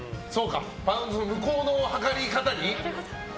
向こうの量り方にね。